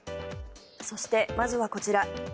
そして、まずはこちら。